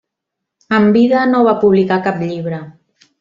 En vida no va publicar cap llibre.